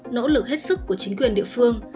nỗ lực hết sức của chính quyền địa phương